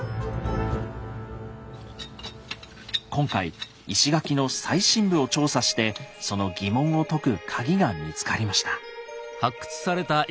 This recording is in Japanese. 今回石垣の最深部を調査してその疑問を解くカギが見つかりました。